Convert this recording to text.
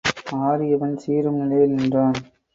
ஆறியவன் சீறும் நிலையில் நின்றான்.